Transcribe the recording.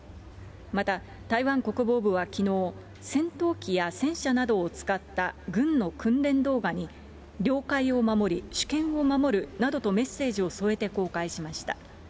また、台湾国防部はきのう、戦闘機や戦車などを使った軍の訓練動画に、領海を守り、主権を守るなどとメッセージを添えて公開しました。